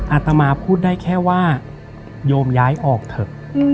อาตมาพูดได้แค่ว่าโยมย้ายออกเถอะ